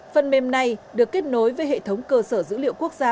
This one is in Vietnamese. phần mềm này được kết nối với hệ thống cơ sở dữ liệu quốc gia